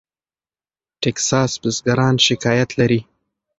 ټیکساس بزګران شکایت لري.